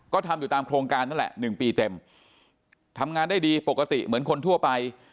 ก็ทำอยู่ตามโครงการนั่นแหละ๑ปีเต็มทำงานได้ดีปกติเหมือนคนทั่วไป